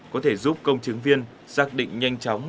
có thể giúp công chứng viên xác định nhanh chóng